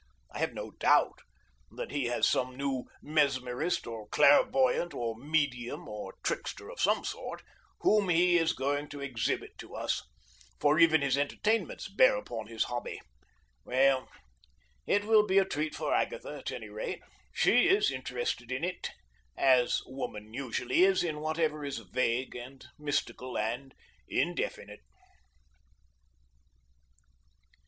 I have no doubt that he has some new mesmerist or clairvoyant or medium or trickster of some sort whom he is going to exhibit to us, for even his entertainments bear upon his hobby. Well, it will be a treat for Agatha, at any rate. She is interested in it, as woman usually is in whatever is vague and mystical and indefinite.